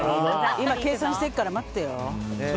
今、計算してっから待ってろ！